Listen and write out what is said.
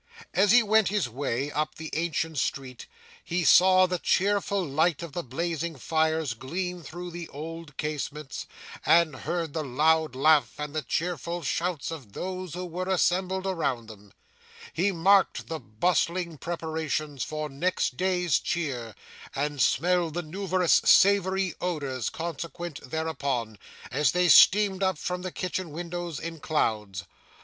As he went his way, up the ancient street, he saw the cheerful light of the blazing fires gleam through the old casements, and heard the loud laugh and the cheerful shouts of those who were assembled around them; he marked the bustling preparations for next day's cheer, and smelled the numerous savoury odours consequent thereupon, as they steamed up from the kitchen windows in clouds.